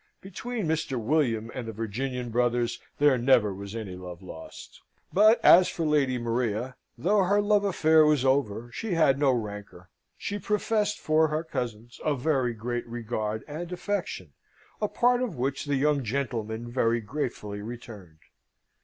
Between Mr. William and the Virginian brothers there never was any love lost; but, as for Lady Maria, though her love affair was over, she had no rancour; she professed for her cousins a very great regard and affection, a part of which the young gentlemen very gratefully returned.